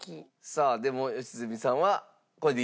さあでも良純さんはこれでいいですね？